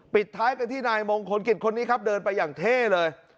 ปิดท้ายกันที่นายมงคลกิจคนนี้ครับเดินไปอย่างเท่เลย